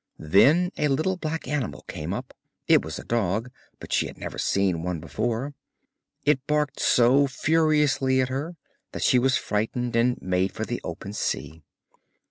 Then a little black animal came up; it was a dog, but she had never seen one before; it barked so furiously at her that she was frightened and made for the open sea.